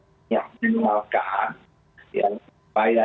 ya memang data itu kan harusnya ada updating kita sudah memiliki ya